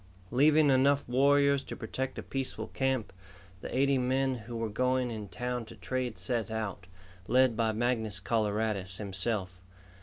Leaving enough warriors to protect a peaceful camp, the eighty men who were going in town to trade set out, led by Mangus Coloradus himself.